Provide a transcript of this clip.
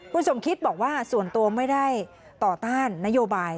คุณสมคิตบอกว่าส่วนตัวไม่ได้ต่อต้านนโยบาย